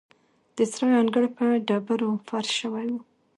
د سرای انګړ په ډبرو فرش شوی و.